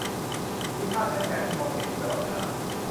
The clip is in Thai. มีค่าใช้จ่ายที่มองเห็นอยู่ตลอดเวลา